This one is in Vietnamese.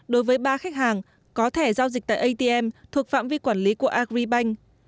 đối với ba khách hàng có thẻ giao dịch tại atm thuộc phạm vi quản lý của agribank